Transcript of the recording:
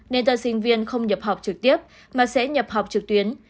nên tân sinh viên không nhập học trực tiếp mà sẽ nhập học trực tuyến